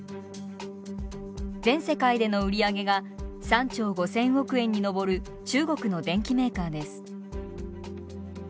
全世界での売り上げが３兆５，０００億円に上る中国の電機メーカーです。